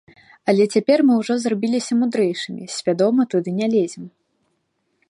Але цяпер мы ўжо зрабіліся мудрэйшымі, свядома туды не лезем.